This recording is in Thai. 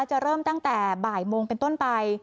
จะเริ่มตั้งแต่บ่ายโมงเป็นต้นไป